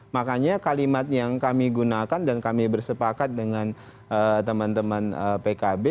makanya kalimat yang kami gunakan dan kami bersepakat dengan teman teman pkb